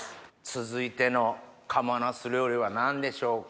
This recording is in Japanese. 続いての賀茂なす料理は何でしょうか？